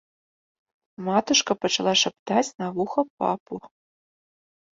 Матушка пачала шаптаць на вуха папу.